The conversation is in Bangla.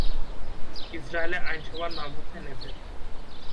ইসরায়েলের আইনসভার নাম হচ্ছে 'নেসেট'।